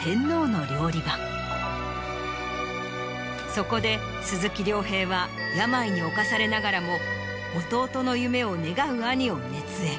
そこで鈴木亮平は病に侵されながらも弟の夢を願う兄を熱演。